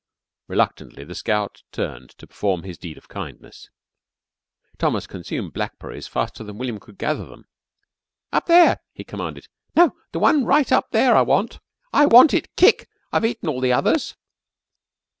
Reluctantly the scout turned to perform his deed of kindness. Thomas consumed blackberries faster than William could gather them. "Up there," he commanded. "No, the one right up there I want. I want it kick. I've etten all the others."